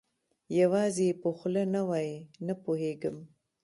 یوازې یې په خوله نه وایي، نه پوهېږم.